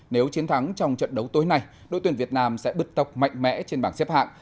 nếu chiến thắng trong trận đấu tối nay đội tuyển việt nam sẽ bứt tốc mạnh mẽ trên bảng xếp hạng